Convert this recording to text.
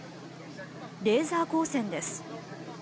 レーザー光線です。